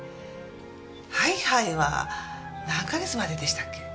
ハイハイは何か月まででしたっけ？